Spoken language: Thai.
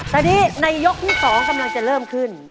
ตอนนี้ในยกที่๒กำลังจะเริ่มขึ้น